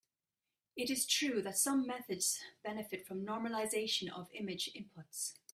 It is true that some methods benefit from normalization of image inputs.